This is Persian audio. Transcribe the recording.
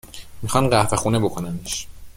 میخان قهوه خونه بکننش